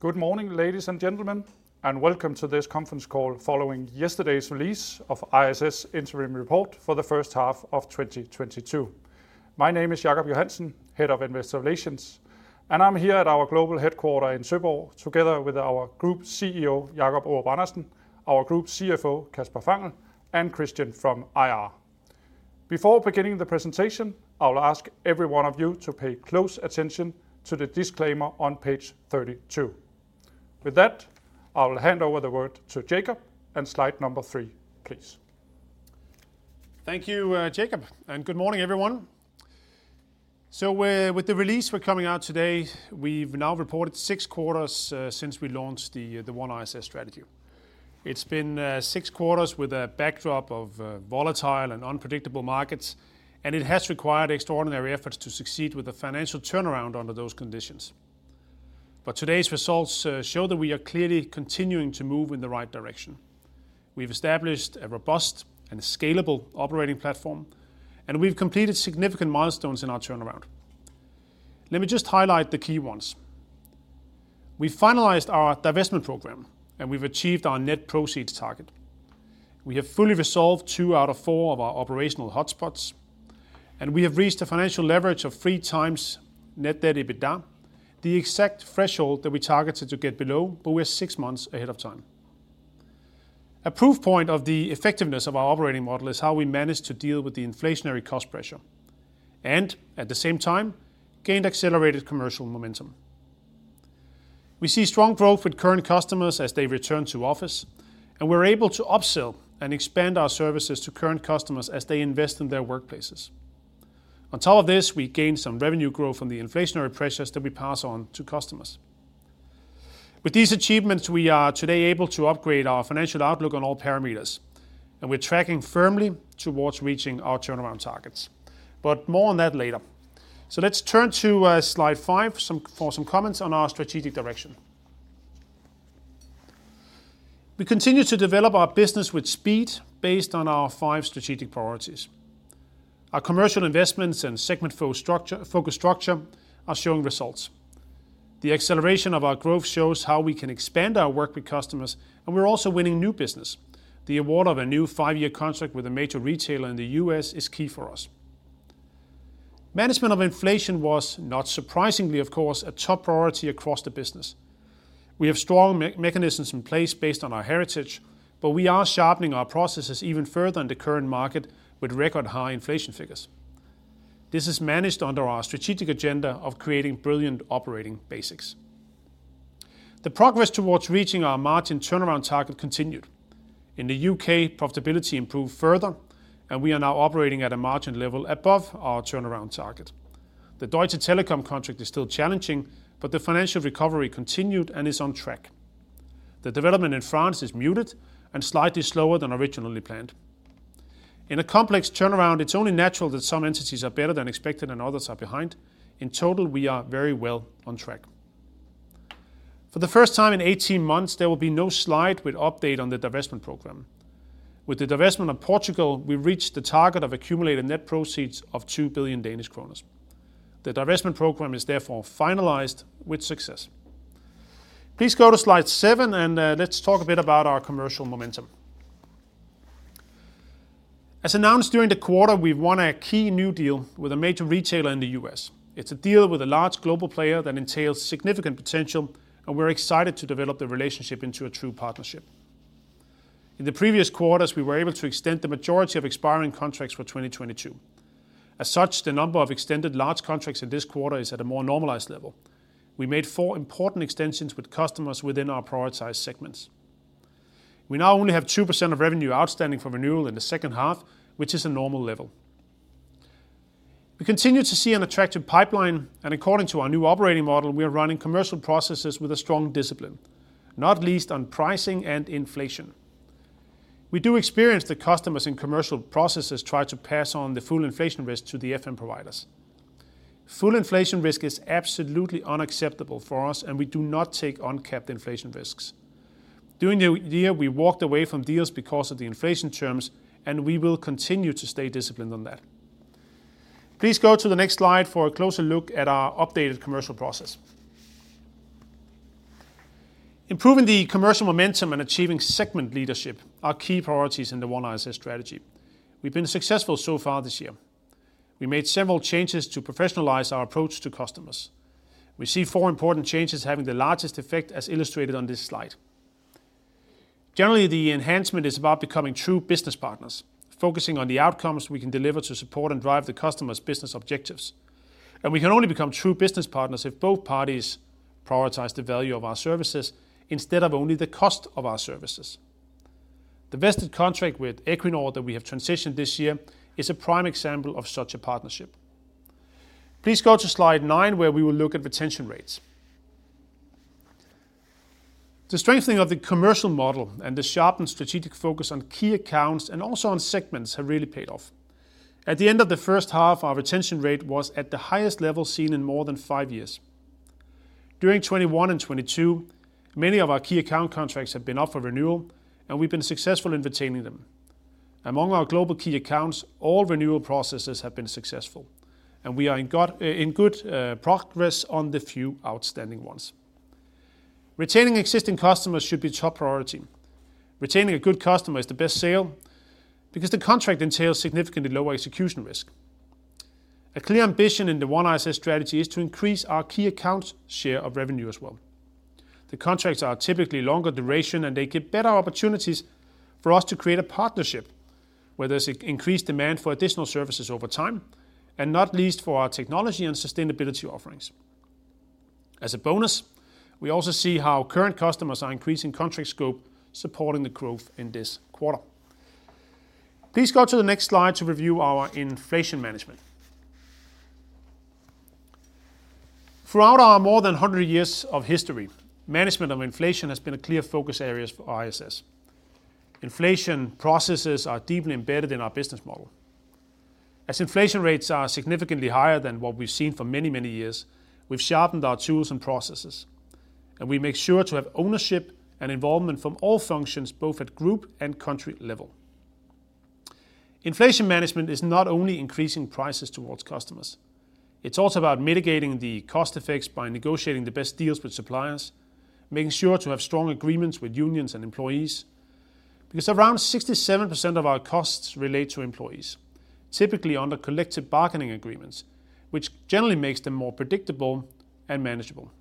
Good morning, ladies and gentlemen, and welcome to this conference call following yesterday's release of ISS interim report for the first half of 2022. My name is Jacob Johansen, Head of Investor Relations, and I'm here at our global headquarters in Søborg, together with our Group CEO, Jacob Aarup-Andersen, our Group CFO, Kasper Fangel, and Christian from IR. Before beginning the presentation, I will ask every one of you to pay close attention to the disclaimer on page 32. With that, I will hand over the word to Jacob and slide number 3, please. Thank you, Jacob, and good morning, everyone. With the release we're coming out today, we've now reported six quarters since we launched the OneISS strategy. It's been six quarters with a backdrop of volatile and unpredictable markets, and it has required extraordinary efforts to succeed with the financial turnaround under those conditions. Today's results show that we are clearly continuing to move in the right direction. We've established a robust and scalable operating platform, and we've completed significant milestones in our turnaround. Let me just highlight the key ones. We finalized our divestment program, and we've achieved our net proceeds target. We have fully resolved 2/4 of our operational hotspots, and we have reached a financial leverage of 3x net debt EBITDA, the exact threshold that we targeted to get below, but we're 6 months ahead of time. A proof point of the effectiveness of our operating model is how we managed to deal with the inflationary cost pressure and at the same time gained accelerated commercial momentum. We see strong growth with current customers as they return to office, and we're able to upsell and expand our services to current customers as they invest in their workplaces. On top of this, we gained some revenue growth from the inflationary pressures that we pass on to customers. With these achievements, we are today able to upgrade our financial outlook on all parameters, and we're tracking firmly towards reaching our turnaround targets. More on that later. Let's turn to slide 5 for some comments on our strategic direction. We continue to develop our business with speed based on our five strategic priorities. Our commercial investments and segment-focused structure are showing results. The acceleration of our growth shows how we can expand our work with customers, and we're also winning new business. The award of a new 5-year contract with a major retailer in the U.S. is key for us. Management of inflation was, not surprisingly, of course, a top priority across the business. We have strong mechanisms in place based on our heritage, but we are sharpening our processes even further in the current market with record high inflation figures. This is managed under our strategic agenda of creating brilliant operating basics. The progress towards reaching our margin turnaround target continued. In the U.K., profitability improved further, and we are now operating at a margin level above our turnaround target. The Deutsche Telekom contract is still challenging, but the financial recovery continued and is on track. The development in France is muted and slightly slower than originally planned. In a complex turnaround, it's only natural that some entities are better than expected and others are behind. In total, we are very well on track. For the first time in 18 months, there will be no slide with update on the divestment program. With the divestment of Portugal, we reached the target of accumulated net proceeds of 2 billion Danish kroner. The divestment program is therefore finalized with success. Please go to slide 7, let's talk a bit about our commercial momentum. As announced during the quarter, we've won a key new deal with a major retailer in the U.S. It's a deal with a large global player that entails significant potential, and we're excited to develop the relationship into a true partnership. In the previous quarters, we were able to extend the majority of expiring contracts for 2022. As such, the number of extended large contracts in this quarter is at a more normalized level. We made four important extensions with customers within our prioritized segments. We now only have 2% of revenue outstanding for renewal in the second half, which is a normal level. We continue to see an attractive pipeline, and according to our new operating model, we are running commercial processes with a strong discipline, not least on pricing and inflation. We do experience the customers in commercial processes try to pass on the full inflation risk to the FM providers. Full inflation risk is absolutely unacceptable for us, and we do not take uncapped inflation risks. During the year, we walked away from deals because of the inflation terms, and we will continue to stay disciplined on that. Please go to the next slide for a closer look at our updated commercial process. Improving the commercial momentum and achieving segment leadership are key priorities in the OneISS strategy. We've been successful so far this year. We made several changes to professionalize our approach to customers. We see four important changes having the largest effect as illustrated on this slide. Generally, the enhancement is about becoming true business partners, focusing on the outcomes we can deliver to support and drive the customer's business objectives. We can only become true business partners if both parties prioritize the value of our services instead of only the cost of our services. The vested contract with Equinor that we have transitioned this year is a prime example of such a partnership. Please go to slide 9, where we will look at retention rates. The strengthening of the commercial model and the sharpened strategic focus on key accounts and also on segments have really paid off. At the end of the first half, our retention rate was at the highest level seen in more than 5 years. During 2021 and 2022, many of our key account contracts have been up for renewal, and we've been successful in retaining them. Among our global key accounts, all renewal processes have been successful, and we are making good progress on the few outstanding ones. Retaining existing customers should be top priority. Retaining a good customer is the best sale because the contract entails significantly lower execution risk. A clear ambition in the OneISS strategy is to increase our key accounts' share of revenue as well. The contracts are typically longer duration, and they give better opportunities for us to create a partnership where there's increased demand for additional services over time, and not least for our technology and sustainability offerings. As a bonus, we also see how current customers are increasing contract scope, supporting the growth in this quarter. Please go to the next slide to review our inflation management. Throughout our more than 100 years of history, management of inflation has been a clear focus areas for ISS. Inflation processes are deeply embedded in our business model. As inflation rates are significantly higher than what we've seen for many, many years, we've sharpened our tools and processes, and we make sure to have ownership and involvement from all functions, both at group and country level. Inflation management is not only increasing prices towards customers, it's also about mitigating the cost effects by negotiating the best deals with suppliers, making sure to have strong agreements with unions and employees. Because around 67% of our costs relate to employees, typically under collective bargaining agreements, which generally makes them more predictable and manageable.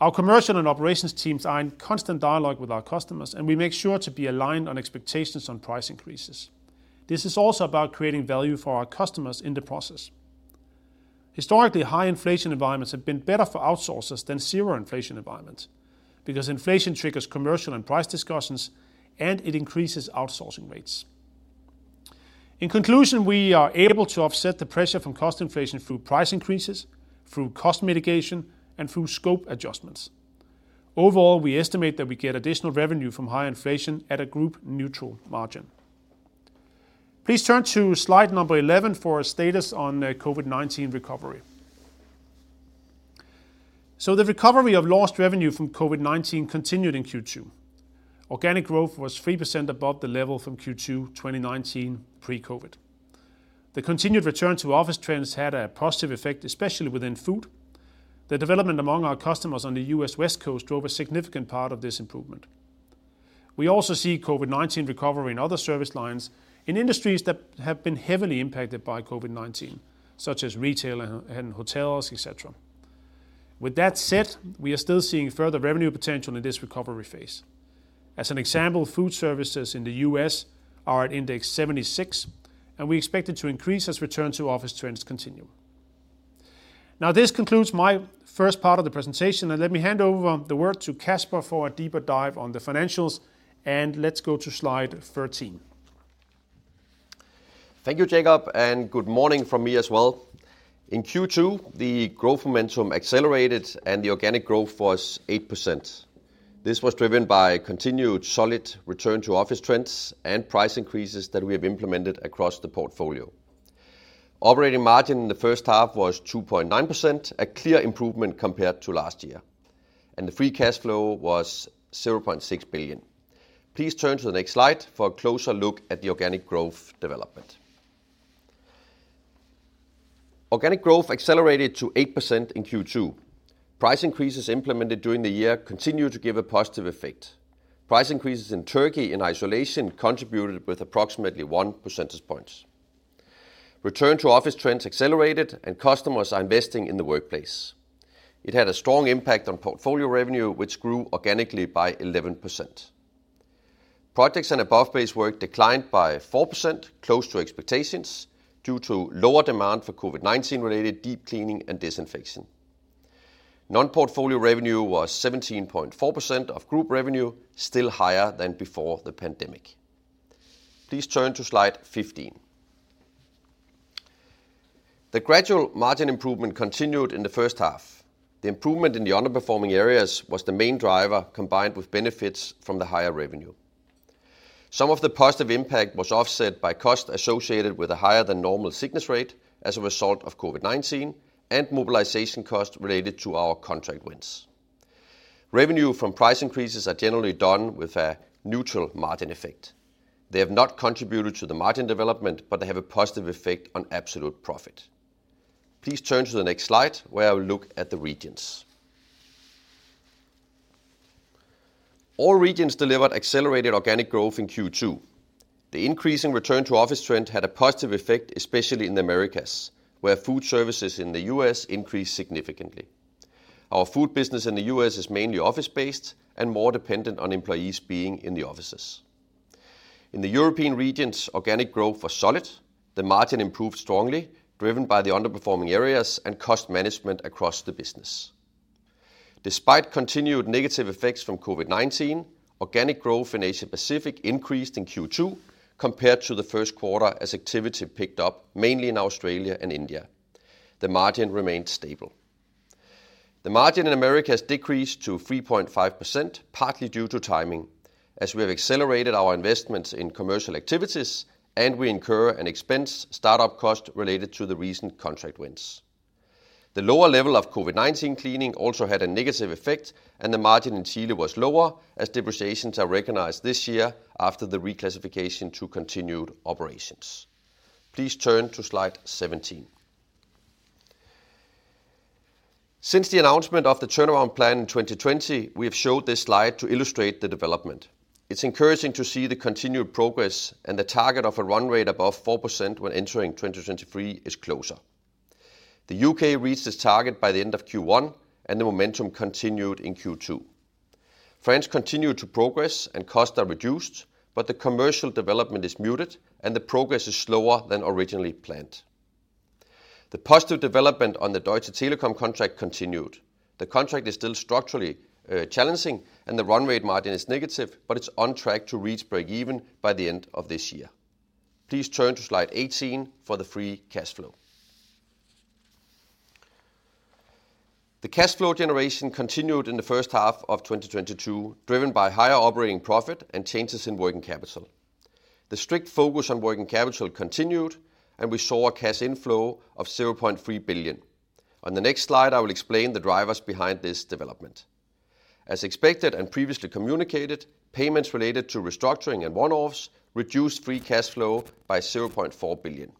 Our commercial and operations teams are in constant dialogue with our customers, and we make sure to be aligned on expectations on price increases. This is also about creating value for our customers in the process. Historically, high inflation environments have been better for outsourcers than zero inflation environments because inflation triggers commercial and price discussions, and it increases outsourcing rates. In conclusion, we are able to offset the pressure from cost inflation through price increases, through cost mitigation, and through scope adjustments. Overall, we estimate that we get additional revenue from high inflation at a group neutral margin. Please turn to slide number 11 for a status on the COVID-19 recovery. The recovery of lost revenue from COVID-19 continued in Q2. Organic growth was 3% above the level from Q2 2019 pre-COVID. The continued return to office trends had a positive effect, especially within food. The development among our customers on the U.S. West Coast drove a significant part of this improvement. We also see COVID-19 recovery in other service lines in industries that have been heavily impacted by COVID-19, such as retail and hotels, et cetera. With that said, we are still seeing further revenue potential in this recovery phase. As an example, food services in the U.S. are at index 76, and we expect it to increase as return to office trends continue. Now this concludes my first part of the presentation, and let me hand over the word to Kasper for a deeper dive on the financials, and let's go to slide 13. Thank you, Jacob, and good morning from me as well. In Q2, the growth momentum accelerated and the organic growth was 8%. This was driven by continued solid return to office trends and price increases that we have implemented across the portfolio. Operating margin in the first half was 2.9%, a clear improvement compared to last year, and the free cash flow was 0.6 billion. Please turn to the next slide for a closer look at the organic growth development. Organic growth accelerated to 8% in Q2. Price increases implemented during the year continued to give a positive effect. Price increases in Turkey in isolation contributed with approximately 1 percentage point. Return to office trends accelerated and customers are investing in the workplace. It had a strong impact on portfolio revenue, which grew organically by 11%. Projects and above-base work declined by 4%, close to expectations, due to lower demand for COVID-19-related deep cleaning and disinfection. Non-portfolio revenue was 17.4% of group revenue, still higher than before the pandemic. Please turn to slide 15. The gradual margin improvement continued in the first half. The improvement in the underperforming areas was the main driver combined with benefits from the higher revenue. Some of the positive impact was offset by cost associated with a higher than normal sickness rate as a result of COVID-19 and mobilization cost related to our contract wins. Revenue from price increases are generally done with a neutral margin effect. They have not contributed to the margin development, but they have a positive effect on absolute profit. Please turn to the next slide, where I will look at the regions. All regions delivered accelerated organic growth in Q2. The increase in return to office trend had a positive effect, especially in the Americas, where food services in the U.S. increased significantly. Our food business in the U.S. is mainly office-based and more dependent on employees being in the offices. In the European regions, organic growth was solid. The margin improved strongly, driven by the underperforming areas and cost management across the business. Despite continued negative effects from COVID-19, organic growth in Asia Pacific increased in Q2 compared to the first quarter as activity picked up, mainly in Australia and India. The margin remained stable. The margin in America has decreased to 3.5%, partly due to timing as we have accelerated our investments in commercial activities and we incur an expense start-up cost related to the recent contract wins. The lower level of COVID-19 cleaning also had a negative effect, and the margin in Chile was lower as depreciations are recognized this year after the reclassification to continued operations. Please turn to slide 17. Since the announcement of the turnaround plan in 2020, we have showed this slide to illustrate the development. It's encouraging to see the continued progress and the target of a run rate above 4% when entering 2023 is closer. The U.K. reached its target by the end of Q1, and the momentum continued in Q2. France continued to progress and costs are reduced, but the commercial development is muted, and the progress is slower than originally planned. The positive development on the Deutsche Telekom contract continued. The contract is still structurally challenging, and the run rate margin is negative, but it's on track to reach break even by the end of this year. Please turn to slide 18 for the free cash flow. The cash flow generation continued in the first half of 2022, driven by higher operating profit and changes in working capital. The strict focus on working capital continued, and we saw a cash inflow of 0.3 billion. On the next slide, I will explain the drivers behind this development. As expected and previously communicated, payments related to restructuring and one-offs reduced free cash flow by 0.4 billion.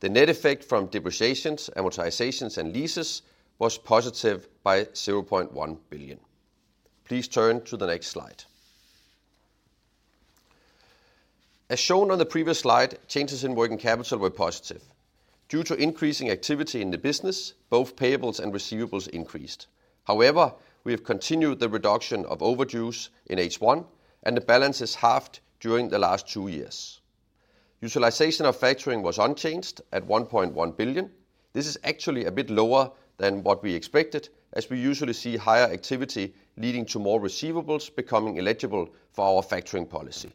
The net effect from depreciations, amortizations, and leases was positive by 0.1 billion. Please turn to the next slide. As shown on the previous slide, changes in working capital were positive. Due to increasing activity in the business, both payables and receivables increased. However, we have continued the reduction of overdues in H1, and the balance is halved during the last 2 years. Utilization of factoring was unchanged at 1.1 billion. This is actually a bit lower than what we expected, as we usually see higher activity leading to more receivables becoming eligible for our factoring policy.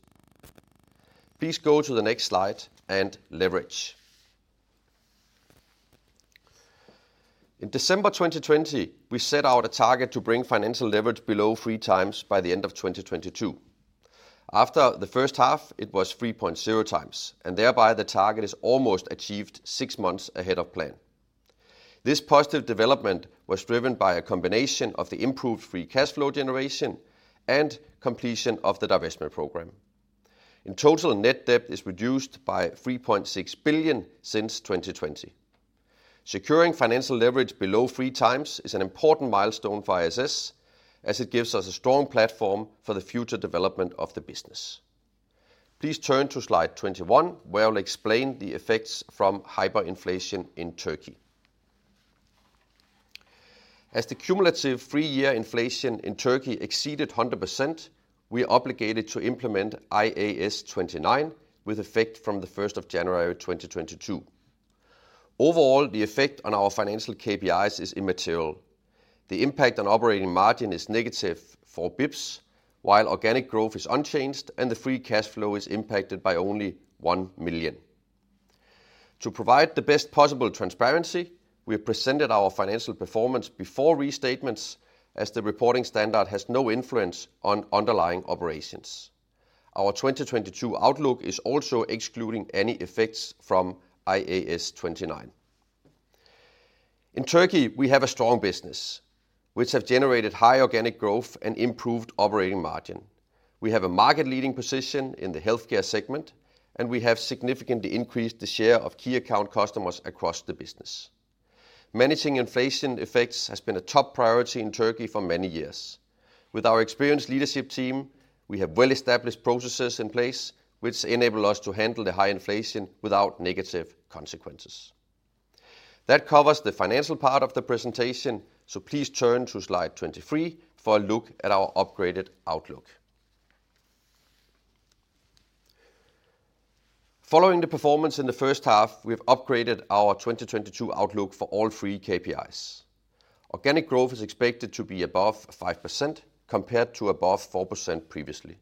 Please go to the next slide and leverage. In December 2020, we set out a target to bring financial leverage below 3x by the end of 2022. After the first half, it was 3.0x, and thereby the target is almost achieved 6 months ahead of plan. This positive development was driven by a combination of the improved free cash flow generation and completion of the divestment program. In total, net debt is reduced by 3.6 billion since 2020. Securing financial leverage below 3x is an important milestone for ISS as it gives us a strong platform for the future development of the business. Please turn to slide 21, where I'll explain the effects from hyperinflation in Turkey. As the cumulative 3-year inflation in Turkey exceeded 100%, we are obligated to implement IAS 29 with effect from 1st of January 2022. Overall, the effect on our financial KPIs is immaterial. The impact on operating margin is -4 bps, while organic growth is unchanged and the free cash flow is impacted by only 1 million. To provide the best possible transparency, we have presented our financial performance before restatements as the reporting standard has no influence on underlying operations. Our 2022 outlook is also excluding any effects from IAS 29. In Turkey, we have a strong business which have generated high organic growth and improved operating margin. We have a market-leading position in the healthcare segment, and we have significantly increased the share of key account customers across the business. Managing inflation effects has been a top priority in Turkey for many years. With our experienced leadership team, we have well-established processes in place which enable us to handle the high inflation without negative consequences. That covers the financial part of the presentation, so please turn to slide 23 for a look at our upgraded outlook. Following the performance in the first half, we have upgraded our 2022 outlook for all three KPIs. Organic growth is expected to be above 5% compared to above 4% previously.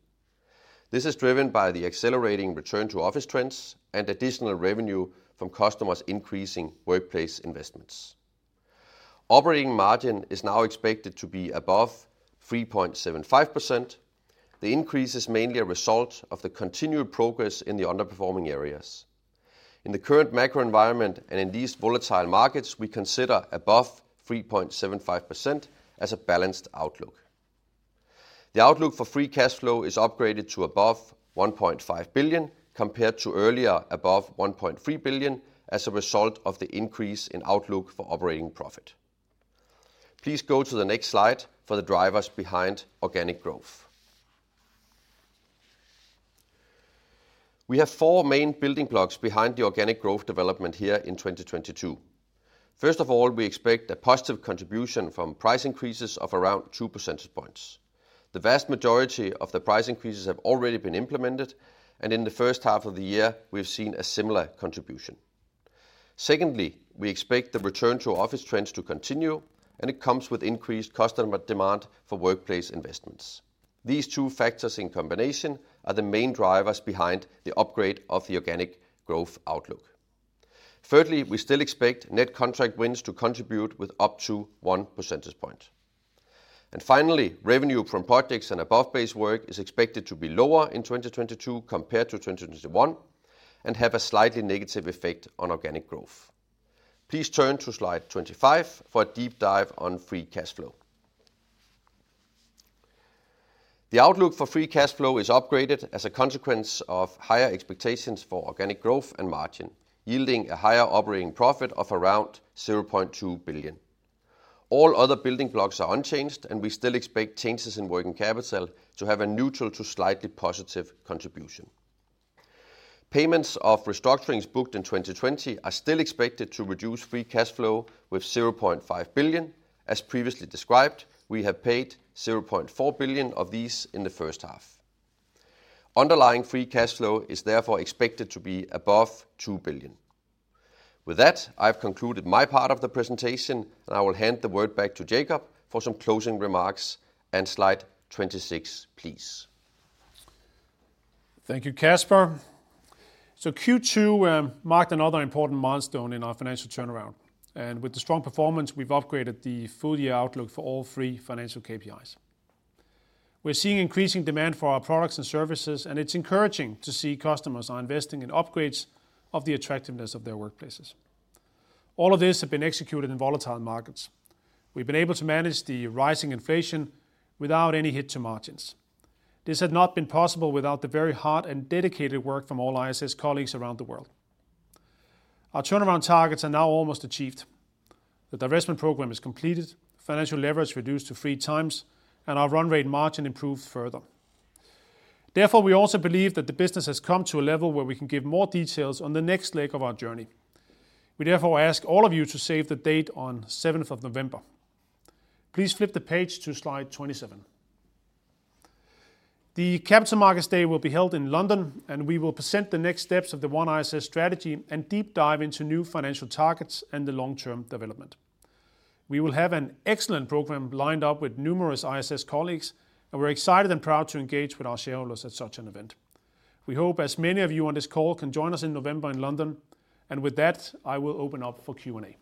This is driven by the accelerating return to office trends and additional revenue from customers increasing workplace investments. Operating margin is now expected to be above 3.75%. The increase is mainly a result of the continued progress in the underperforming areas. In the current macro environment and in these volatile markets, we consider above 3.75% as a balanced outlook. The outlook for free cash flow is upgraded to above 1.5 billion compared to earlier above 1.3 billion as a result of the increase in outlook for operating profit. Please go to the next slide for the drivers behind organic growth. We have four main building blocks behind the organic growth development here in 2022. First of all, we expect a positive contribution from price increases of around 2 percentage points. The vast majority of the price increases have already been implemented, and in the first half of the year, we've seen a similar contribution. Secondly, we expect the return to office trends to continue, and it comes with increased customer demand for workplace investments. These two factors in combination are the main drivers behind the upgrade of the organic growth outlook. Thirdly, we still expect net contract wins to contribute with up to 1 percentage point. Finally, revenue from projects and above base work is expected to be lower in 2022 compared to 2021, and have a slightly negative effect on organic growth. Please turn to slide 25 for a deep dive on free cash flow. The outlook for free cash flow is upgraded as a consequence of higher expectations for organic growth and margin, yielding a higher operating profit of around 0.2 billion. All other building blocks are unchanged, and we still expect changes in working capital to have a neutral to slightly positive contribution. Payments of restructurings booked in 2020 are still expected to reduce free cash flow with 0.5 billion. As previously described, we have paid 0.4 billion of these in the first half. Underlying free cash flow is therefore expected to be above 2 billion. With that, I've concluded my part of the presentation, and I will hand the word back to Jacob for some closing remarks and slide 26, please. Thank you, Kasper. Q2 marked another important milestone in our financial turnaround. With the strong performance, we've upgraded the full year outlook for all three financial KPIs. We're seeing increasing demand for our products and services, and it's encouraging to see customers are investing in upgrades of the attractiveness of their workplaces. All of this have been executed in volatile markets. We've been able to manage the rising inflation without any hit to margins. This had not been possible without the very hard and dedicated work from all ISS colleagues around the world. Our turnaround targets are now almost achieved. The divestment program is completed, financial leverage reduced to 3x, and our run rate margin improved further. Therefore, we also believe that the business has come to a level where we can give more details on the next leg of our journey. We therefore ask all of you to save the date on 7th of November. Please flip the page to slide 27. The Capital Markets Day will be held in London, and we will present the next steps of the One ISS strategy and deep dive into new financial targets and the long-term development. We will have an excellent program lined up with numerous ISS colleagues, and we're excited and proud to engage with our shareholders at such an event. We hope as many of you on this call can join us in November in London. With that, I will open up for Q&A.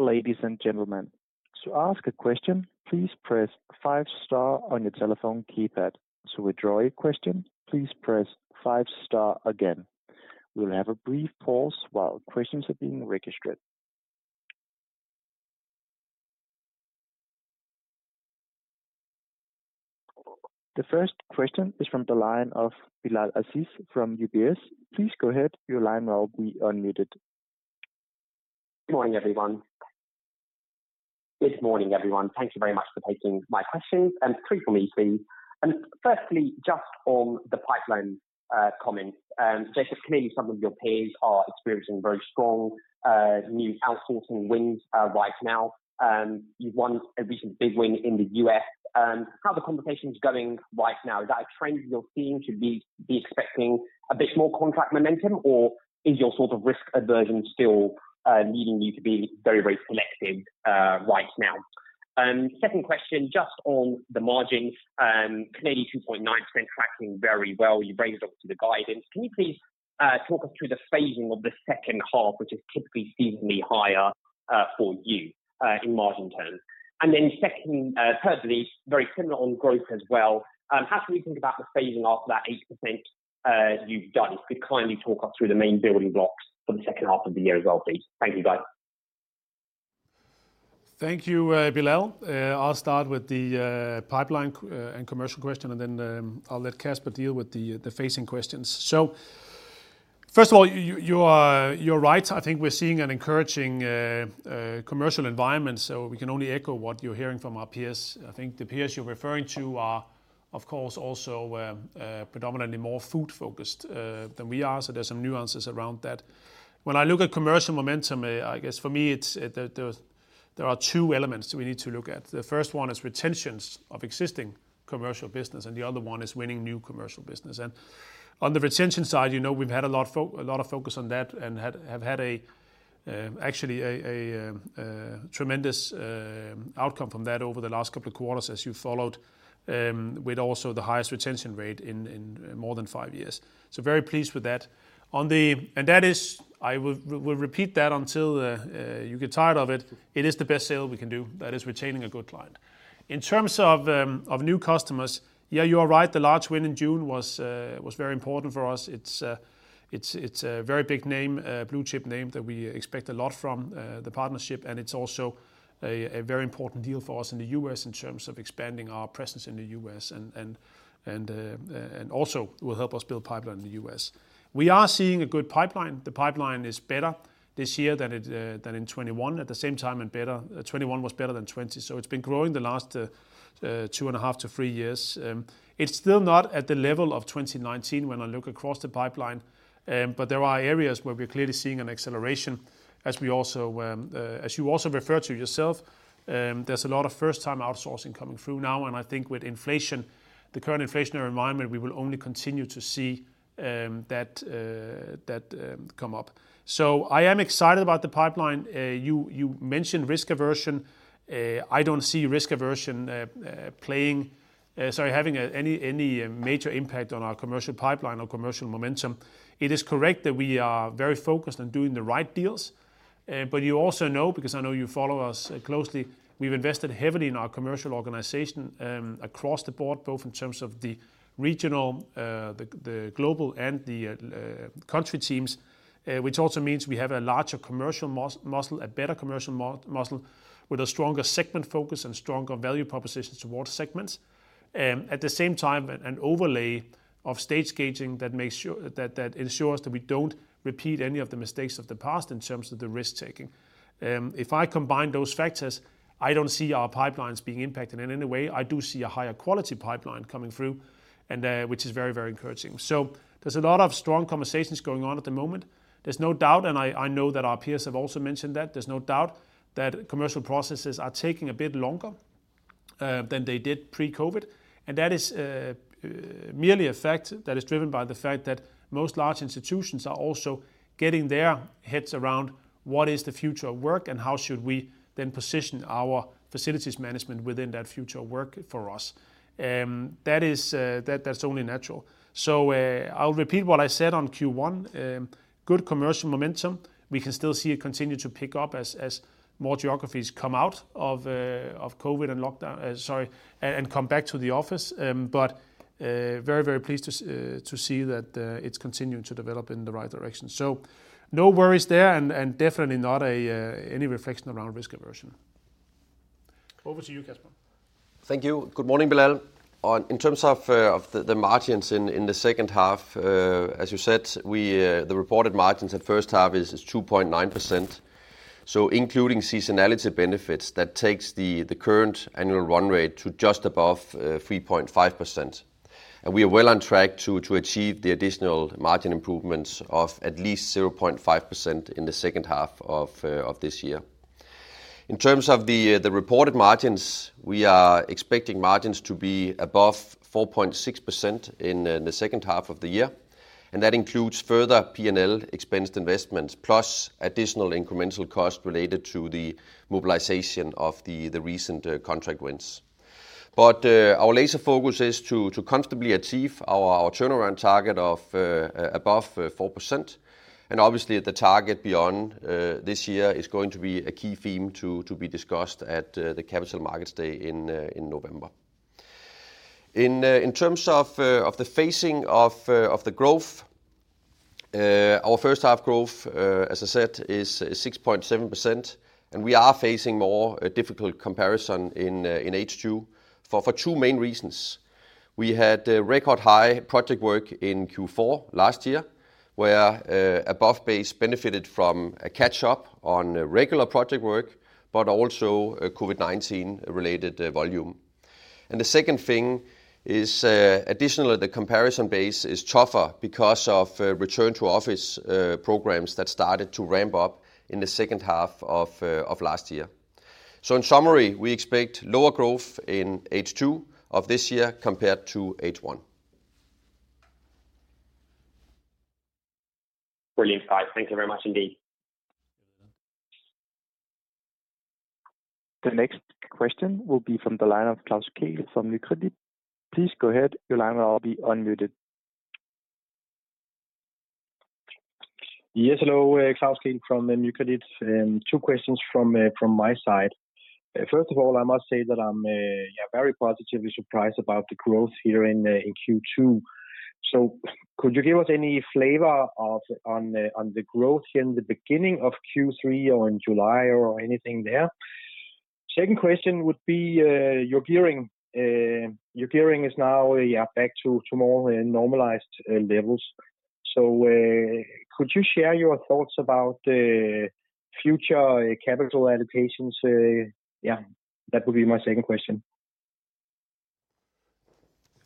Ladies and gentlemen, to ask a question, please press five star on your telephone keypad. To withdraw your question, please press five star again. We'll have a brief pause while questions are being registered. The first question is from the line of Bilal Aziz from UBS. Please go ahead. Your line will be unmuted. Good morning, everyone. Thank you very much for taking my questions, three for me, please. Firstly, just on the pipeline comment. Jacob, clearly some of your peers are experiencing very strong new outsourcing wins right now. You've won a recent big win in the U.S. How are the conversations going right now? Is that a trend you're seeing? Should we be expecting a bit more contract momentum, or is your sort of risk aversion still needing you to be very, very selective right now? Second question, just on the margins. Clearly 2.9% tracking very well. You've raised it up to the guidance. Can you please talk us through the phasing of the second half, which is typically seasonally higher for you in margin terms? Second, thirdly, very similar on growth as well, how can we think about the phasing after that 8%, you've done? If you could kindly talk us through the main building blocks for the second half of the year as well, please. Thank you, guys. Thank you, Bilal. I'll start with the pipeline and commercial question, and then I'll let Kasper deal with the phasing questions. First of all, you are right. I think we're seeing an encouraging commercial environment, so we can only echo what you're hearing from our peers. I think the peers you're referring to are, of course, also predominantly more food-focused than we are, so there's some nuances around that. When I look at commercial momentum, I guess for me it's there are two elements we need to look at. The first one is retentions of existing commercial business, and the other one is winning new commercial business. On the retention side, you know, we've had a lot of focus on that and have had actually a tremendous outcome from that over the last couple of quarters as you followed, with also the highest retention rate in more than five years. So very pleased with that. That is, I will repeat that until you get tired of it. It is the best sale we can do. That is retaining a good client. In terms of new customers, yeah, you are right. The large win in June was very important for us. It's a very big name, a blue chip name that we expect a lot from, the partnership, and it's also a very important deal for us in the U.S. in terms of expanding our presence in the U.S. and also will help us build pipeline in the US. We are seeing a good pipeline. The pipeline is better this year than in 2021. At the same time, 2021 was better than 2020. It's been growing the last 2.5-3 years. It's still not at the level of 2019 when I look across the pipeline, but there are areas where we're clearly seeing an acceleration as you also referred to yourself. There's a lot of first-time outsourcing coming through now, and I think with inflation, the current inflationary environment, we will only continue to see that come up. I am excited about the pipeline. You mentioned risk aversion. I don't see risk aversion having any major impact on our commercial pipeline or commercial momentum. It is correct that we are very focused on doing the right deals. You also know, because I know you follow us closely, we've invested heavily in our commercial organization, across the board, both in terms of the regional, the global and the country teams, which also means we have a larger commercial muscle, a better commercial muscle with a stronger segment focus and stronger value proposition towards segments. At the same time, an overlay of stage gating that ensures that we don't repeat any of the mistakes of the past in terms of the risk-taking. If I combine those factors, I don't see our pipelines being impacted. In a way, I do see a higher quality pipeline coming through and, which is very, very encouraging. There's a lot of strong conversations going on at the moment. There's no doubt, and I know that our peers have also mentioned that, there's no doubt that commercial processes are taking a bit longer than they did pre-COVID. That is merely a fact that is driven by the fact that most large institutions are also getting their heads around what is the future of work and how should we then position our facilities management within that future work for us. That's only natural. I'll repeat what I said on Q1. Good commercial momentum. We can still see it continue to pick up as more geographies come out of COVID and lockdown and come back to the office. Very pleased to see that it's continuing to develop in the right direction. No worries there and definitely not any reflection around risk aversion. Over to you, Kasper. Thank you. Good morning, Bilal. In terms of the margins in the second half, as you said, the reported margins at first half is 2.9%. Including seasonality benefits, that takes the current annual run rate to just above 3.5%. We are well on track to achieve the additional margin improvements of at least 0.5% in the second half of this year. In terms of the reported margins, we are expecting margins to be above 4.6% in the second half of the year, and that includes further P&L expense investments, plus additional incremental costs related to the mobilization of the recent contract wins. Our laser focus is to comfortably achieve our turnaround target of above 4%. Obviously, the target beyond this year is going to be a key theme to be discussed at the Capital Markets Day in November. In terms of the phasing of the growth, our first half growth, as I said, is 6.7%, and we are facing more of a difficult comparison in H2 for two main reasons. We had record high project work in Q4 last year, where above base benefited from a catch-up on regular project work, but also a COVID-19 related volume. The second thing is, additionally, the comparison base is tougher because of return to office programs that started to ramp up in the second half of last year. In summary, we expect lower growth in H2 of this year compared to H1. Brilliant, guys. Thank you very much indeed. You're welcome. The next question will be from the line of Klaus Kehl from Nykredit. Please go ahead. Your line will now be unmuted. Yes, hello. Klaus Kehl from Nykredit. Two questions from my side. First of all, I must say that I'm yeah very positively surprised about the growth here in Q2. Could you give us any flavor of on the growth in the beginning of Q3 or in July or anything there? Second question would be your gearing. Your gearing is now yeah back to more normalized levels. Could you share your thoughts about future capital allocations? Yeah, that would be my second question.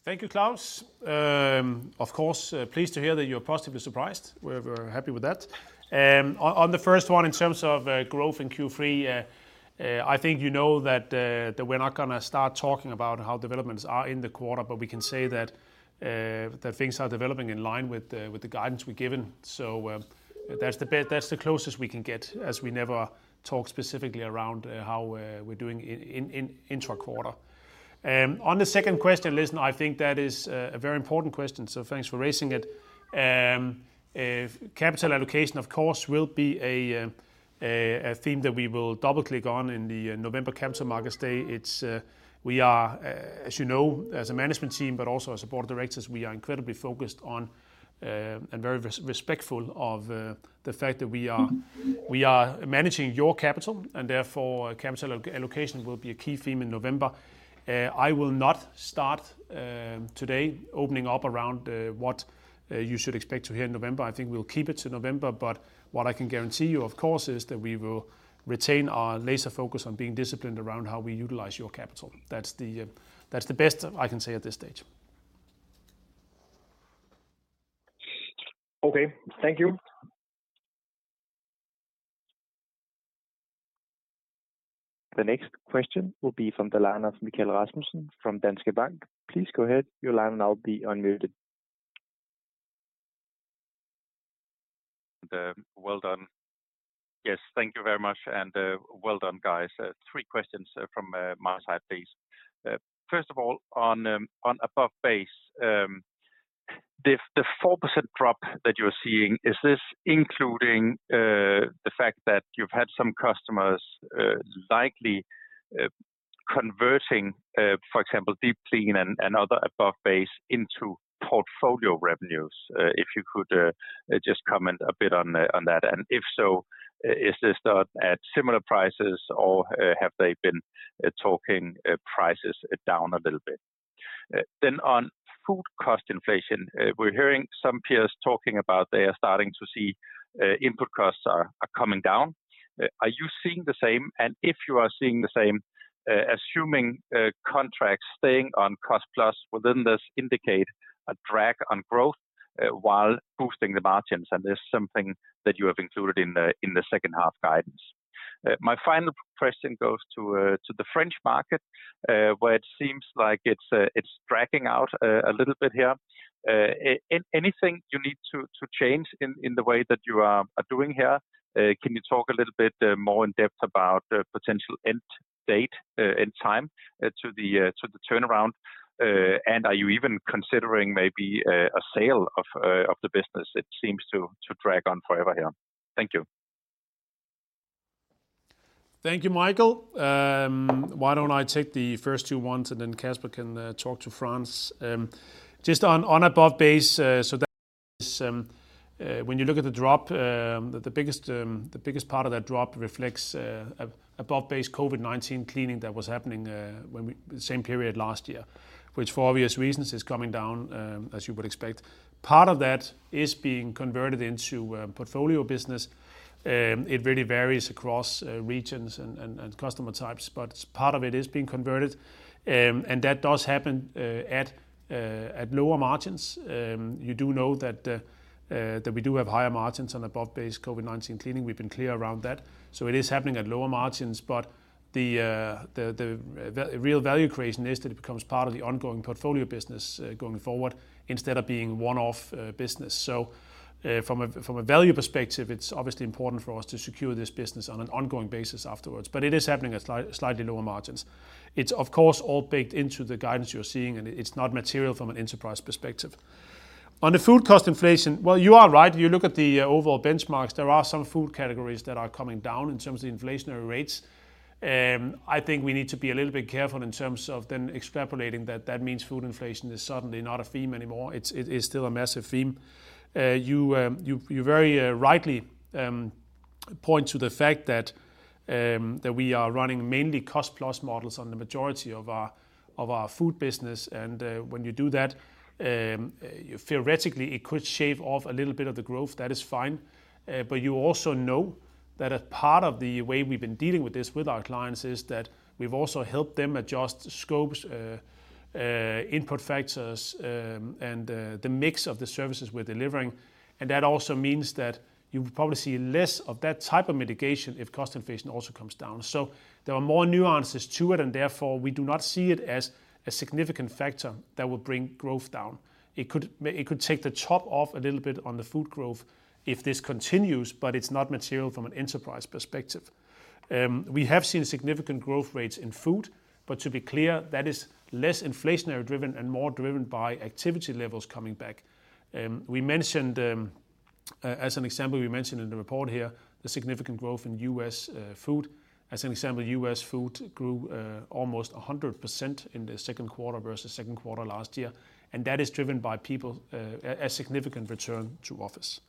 Thank you, Klaus. Of course, pleased to hear that you're positively surprised. We're happy with that. On the first one, in terms of growth in Q3, I think you know that we're not gonna start talking about how developments are in the quarter, but we can say that things are developing in line with the guidance we've given. That's the closest we can get, as we never talk specifically around how we're doing in intra-quarter. On the second question, listen, I think that is a very important question, so thanks for raising it. Capital allocation, of course, will be a theme that we will double-click on in the November Capital Markets Day. It's. We are, as you know, as a management team, but also as a board of directors, we are incredibly focused on, and very respectful of, the fact that we are managing your capital, and therefore capital allocation will be a key theme in November. I will not start today opening up around what you should expect to hear in November. I think we'll keep it to November. What I can guarantee you, of course, is that we will retain our laser focus on being disciplined around how we utilize your capital. That's the best I can say at this stage. Okay, thank you. The next question will be from the line of Michael Vitfell-Rasmussen from Danske Bank. Please go ahead. Your line now will be unmuted. Well done. Yes, thank you very much and, well done, guys. Three questions from my side, please. First of all, on above base, the 4% drop that you're seeing, is this including the fact that you've had some customers likely converting, for example, deep clean and other above base into portfolio revenues? If you could just comment a bit on that. If so, is this at similar prices or have they been talking prices down a little bit? On food cost inflation, we're hearing some peers talking about they are starting to see input costs are coming down. Are you seeing the same? If you are seeing the same, assuming contracts staying on cost plus within this indicate a drag on growth, while boosting the margins, and this is something that you have included in the second half guidance. My final question goes to the French market, where it seems like it's dragging out a little bit here. Anything you need to change in the way that you are doing here? Can you talk a little bit more in depth about the potential end date, end time to the turnaround? And are you even considering maybe a sale of the business? It seems to drag on forever here. Thank you. Thank you, Michael. Why don't I take the first two ones, and then Kasper can talk to France. Just on above base, so that is when you look at the drop, the biggest part of that drop reflects above base COVID-19 cleaning that was happening the same period last year, which for obvious reasons is coming down, as you would expect. Part of that is being converted into portfolio business. It really varies across regions and customer types, but part of it is being converted. That does happen at lower margins. You do know that we do have higher margins on above base COVID-19 cleaning. We've been clear around that. It is happening at lower margins, but the real value creation is that it becomes part of the ongoing portfolio business going forward instead of being one-off business. From a value perspective, it's obviously important for us to secure this business on an ongoing basis afterwards, but it is happening at slightly lower margins. It's of course all baked into the guidance you're seeing, and it's not material from an enterprise perspective. On the food cost inflation, well, you are right. You look at the overall benchmarks, there are some food categories that are coming down in terms of the inflationary rates. I think we need to be a little bit careful in terms of then extrapolating that that means food inflation is suddenly not a theme anymore. It is still a massive theme. You very rightly point to the fact that we are running mainly cost plus models on the majority of our food business, and when you do that, theoretically, it could shave off a little bit of the growth. That is fine. You also know that a part of the way we've been dealing with this with our clients is that we've also helped them adjust scopes, input factors, and the mix of the services we're delivering. That also means that you'll probably see less of that type of mitigation if cost inflation also comes down. There are more nuances to it, and therefore, we do not see it as a significant factor that will bring growth down. It could take the top off a little bit on the food growth if this continues, but it's not material from an enterprise perspective. We have seen significant growth rates in food, but to be clear, that is less inflationary driven and more driven by activity levels coming back. We mentioned, as an example, in the report here the significant growth in U.S. food. As an example, U.S. food grew almost 100% in the second quarter versus second quarter last year, and that is driven by people, a significant return to office.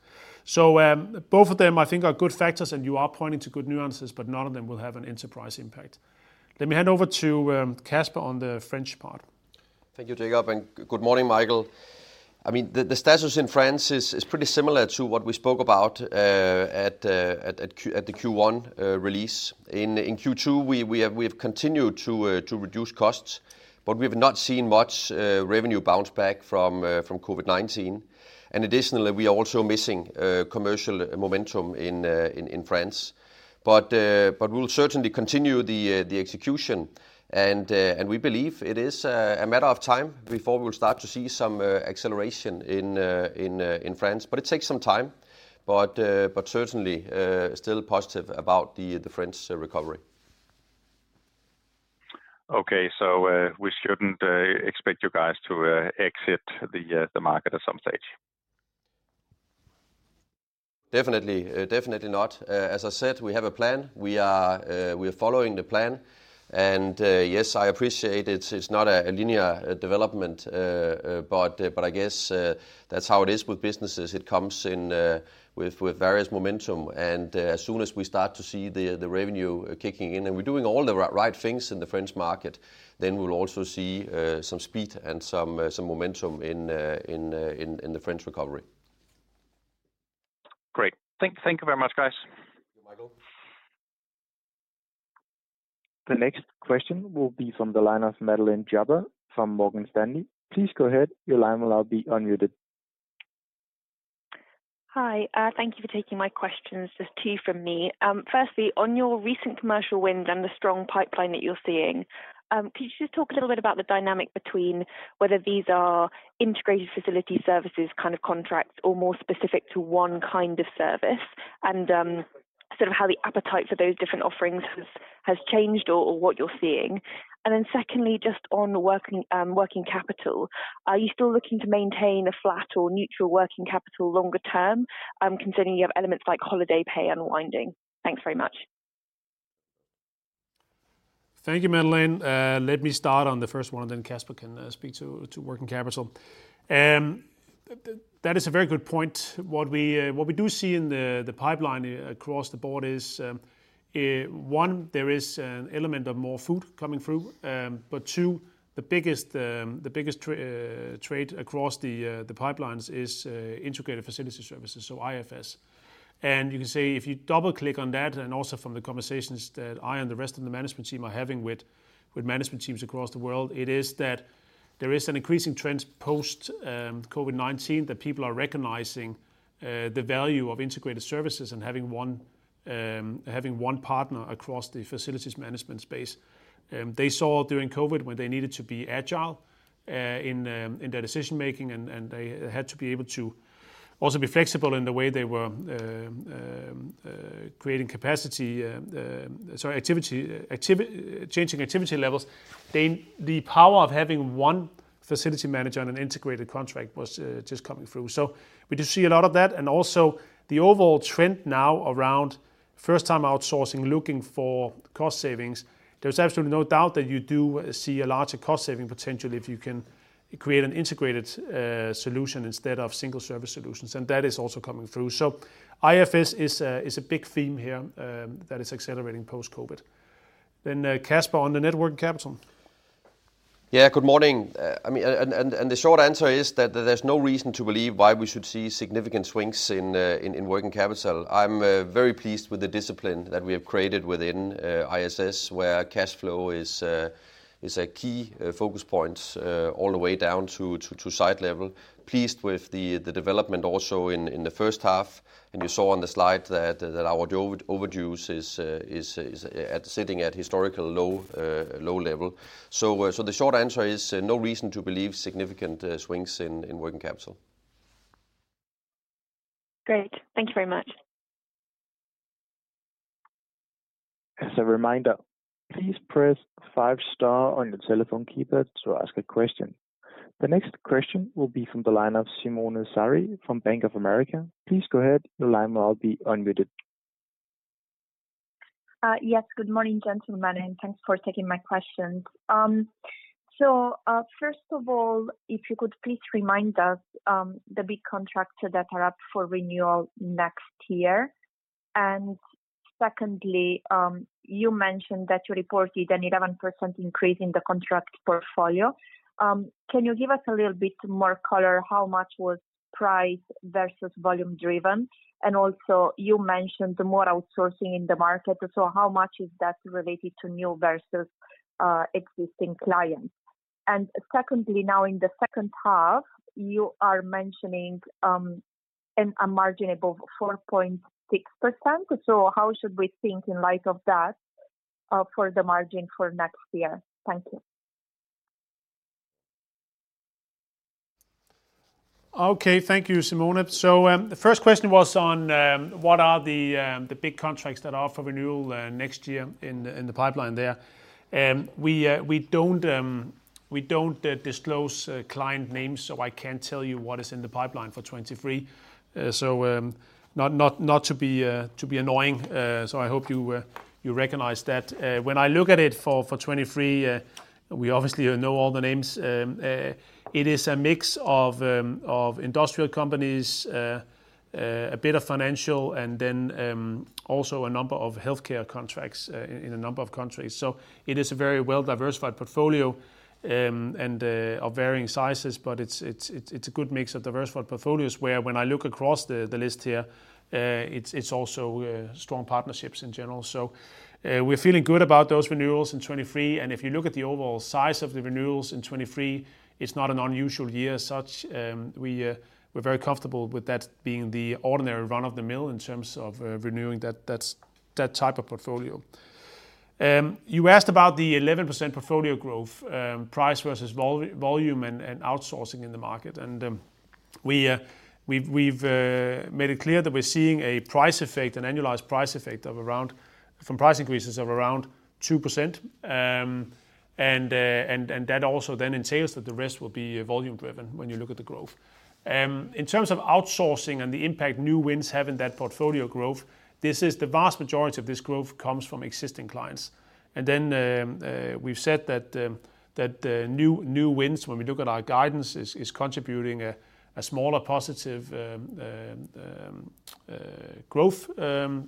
Both of them I think are good factors and you are pointing to good nuances, but none of them will have an enterprise impact. Let me hand over to Kasper on the French part. Thank you, Jacob, and good morning, Michael. I mean, the status in France is pretty similar to what we spoke about at the Q1 release. In Q2, we have continued to reduce costs, but we have not seen much revenue bounce back from COVID-19. Additionally, we are also missing commercial momentum in France. We'll certainly continue the execution, and we believe it is a matter of time before we'll start to see some acceleration in France. It takes some time. Certainly still positive about the French recovery. Okay, we shouldn't expect you guys to exit the market at some stage? Definitely not. As I said, we have a plan. We are following the plan. Yes, I appreciate it's not a linear development, but I guess that's how it is with businesses. It comes in with various momentum. As soon as we start to see the revenue kicking in, and we're doing all the right things in the French market, then we'll also see some speed and some momentum in the French recovery. Great. Thank you very much, guys. The next question will be from the line of [Madeleine Javary] from Morgan Stanley. Please go ahead. Your line will now be unmuted. Hi, thank you for taking my questions. There's two from me. Firstly, on your recent commercial wins and the strong pipeline that you're seeing, could you just talk a little bit about the dynamic between whether these are integrated facility services kind of contracts or more specific to one kind of service, and sort of how the appetite for those different offerings has changed or what you're seeing? Then secondly, just on working capital, are you still looking to maintain a flat or neutral working capital longer term, considering you have elements like holiday pay unwinding? Thanks very much. Thank you, [Madeleine]. Let me start on the first one, and then Kasper can speak to working capital. That is a very good point. What we do see in the pipeline across the board is one, there is an element of more food coming through. Two, the biggest trend across the pipelines is integrated facility services, so IFS. You can see if you double-click on that, and also from the conversations that I and the rest of the management team are having with management teams across the world, it is that there is an increasing trend post COVID-19 that people are recognizing the value of integrated services and having one partner across the facilities management space. They saw during COVID, when they needed to be agile in their decision-making, and they had to be able to also be flexible in the way they were creating capacity, changing activity levels. The power of having one facility manager on an integrated contract was just coming through. We just see a lot of that and also the overall trend now around first-time outsourcing, looking for cost savings. There's absolutely no doubt that you do see a larger cost-saving potential if you can create an integrated solution instead of single service solutions, and that is also coming through. IFS is a big theme here that is accelerating post-COVID. Kasper on the net working capital. Yeah. Good morning. I mean, and the short answer is that there's no reason to believe why we should see significant swings in working capital. I'm very pleased with the discipline that we have created within ISS, where cash flow is a key focus point all the way down to site level. Pleased with the development also in the first half. You saw on the slide that our overdues is sitting at historical low level. The short answer is no reason to believe significant swings in working capital. Great. Thank you very much. As a reminder, please press five star on your telephone keypad to ask a question. The next question will be from the line of Simona Sarli from Bank of America. Please go ahead. Your line will now be unmuted. Yes. Good morning, gentlemen, and thanks for taking my questions. So, first of all, if you could please remind us the big contracts that are up for renewal next year. Secondly, you mentioned that you reported an 11% increase in the contract portfolio. Can you give us a little bit more color how much was price versus volume driven? Also you mentioned more outsourcing in the market. How much is that related to new versus existing clients? Secondly, now in the second half, you are mentioning a margin above 4.6%. How should we think in light of that for the margin for next year? Thank you. Okay. Thank you, Simona. The first question was on what are the big contracts that are up for renewal next year in the pipeline there? We don't disclose client names, so I can't tell you what is in the pipeline for 2023. Not to be annoying. I hope you recognize that. When I look at it for 2023, we obviously know all the names. It is a mix of industrial companies, a bit of financial, and then also a number of healthcare contracts in a number of countries. It is a very well-diversified portfolio, and of varying sizes, but it's a good mix of diversified portfolios where when I look across the list here, it's also strong partnerships in general. We're feeling good about those renewals in 2023, and if you look at the overall size of the renewals in 2023, it's not an unusual year as such. We're very comfortable with that being the ordinary run-of-the-mill in terms of renewing that type of portfolio. You asked about the 11% portfolio growth, price versus volume and outsourcing in the market. We've made it clear that we're seeing a price effect, an annualized price effect from price increases of around 2%. That also entails that the rest will be volume driven when you look at the growth. In terms of outsourcing and the impact new wins have in that portfolio growth, this is the vast majority of this growth comes from existing clients. We've said that the new wins when we look at our guidance is contributing a smaller positive growth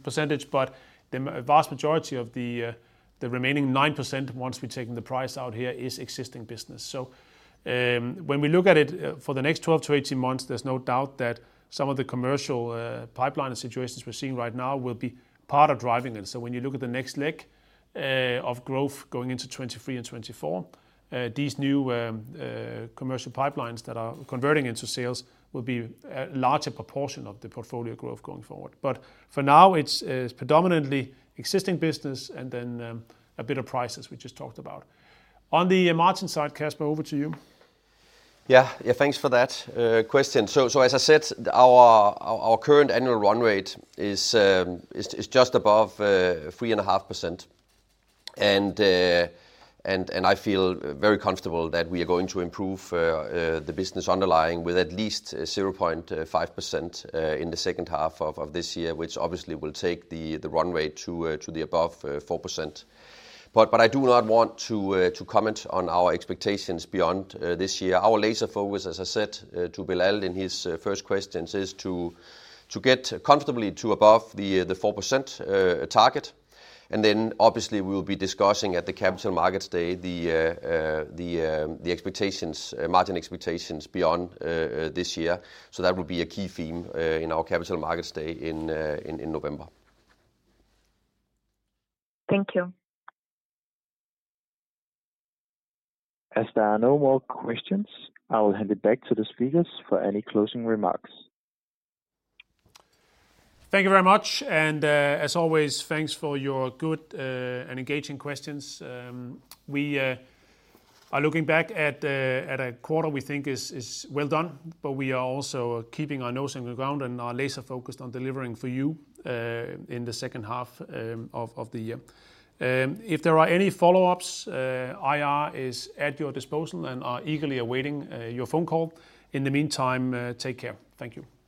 percentage. The vast majority of the remaining 9% once we've taken the price out here is existing business. When we look at it for the next 12-18 months, there's no doubt that some of the commercial pipeline and situations we're seeing right now will be part of driving it. When you look at the next leg of growth going into 2023 and 2024, these new commercial pipelines that are converting into sales will be a larger proportion of the portfolio growth going forward. But for now, it's predominantly existing business and then a bit of prices we just talked about. On the margin side, Kasper, over to you. Yeah. Thanks for that question. As I said, our current annual run rate is just above 3.5%. I feel very comfortable that we are going to improve the underlying business with at least 0.5% in the second half of this year, which obviously will take the run rate to above 4%. I do not want to comment on our expectations beyond this year. Our laser focus, as I said, to Bilal in his first question, is to get comfortably to above the 4% target. Obviously we'll be discussing at the Capital Markets Day the expectations, margin expectations beyond this year. That will be a key theme in our Capital Markets Day in November. Thank you. As there are no more questions, I will hand it back to the speakers for any closing remarks. Thank you very much and, as always, thanks for your good and engaging questions. We are looking back at a quarter we think is well done, but we are also keeping our nose on the ground and are laser focused on delivering for you in the second half of the year. If there are any follow-ups, IR is at your disposal and are eagerly awaiting your phone call. In the meantime, take care. Thank you.